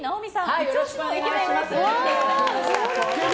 イチ押しのイケメンを連れてきていただきました。